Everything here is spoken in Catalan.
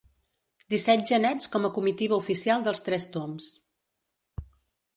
Disset genets com a comitiva oficial dels Tres Tombs.